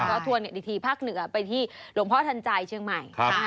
ก็ทวนอีกทีภาคเหนือไปที่หลวงพ่อทันใจเชียงใหม่